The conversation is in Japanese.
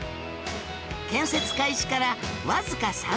建設開始からわずか３年で開通